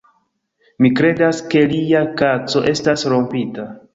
Mi kredas, ke lia kaco estas rompita